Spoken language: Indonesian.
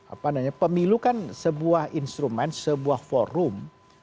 apa namanya pemilukan sebuah instrumen sebuah forum